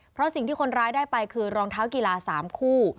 เพราะสิ่งที่คนร้ายได้ไปคือรองเท้ากีฬา๓คู่